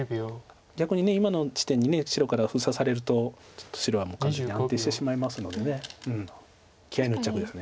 逆に今の地点に白から封鎖されるとちょっと白はもう完全に安定してしまいますので気合いの一着です。